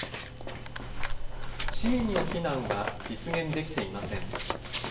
市民の避難は実現できていません。